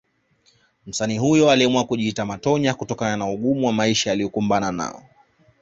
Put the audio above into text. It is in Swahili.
Msanii huyo aliamua kujiita Matonya kutokana na ugumu wa maisha aliokumbana nao